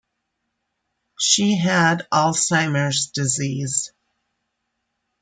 She had Alzheimer's disease.